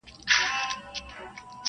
که یاران وي که شراب بس چي زاړه وي,